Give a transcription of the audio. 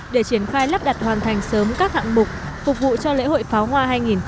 để triển khai lắp đặt hoàn thành sớm các hạng mục phục vụ cho lễ hội pháo hoa hai nghìn một mươi chín